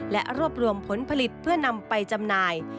และรวบรวมผลผลิตเพื่อนำไปจำหน่าย